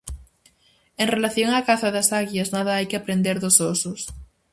En relación á caza das aguias, nada hai que aprender dos osos.